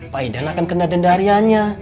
pak idan akan kena dendarian